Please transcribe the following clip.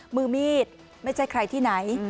มือมีดไม่ใช่ใครที่ไหน